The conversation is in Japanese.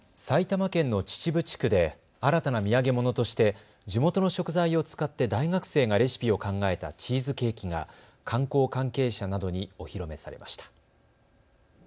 埼玉県の秩父地区で新たな土産物として地元の食材を使って大学生がレシピを考えたチーズケーキが観光関係者などにお披露目されました。